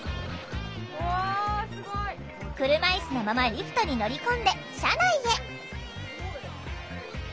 車いすのままリフトに乗り込んで車内へ。